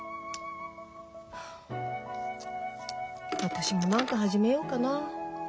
私も何か始めようかな。